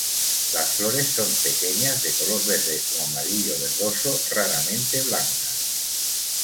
Las flores son pequeñas de color verde o amarillo-verdoso, raramente blancas.